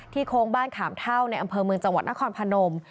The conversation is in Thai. โค้งบ้านขามเท่าในอำเภอเมืองจังหวัดนครพนม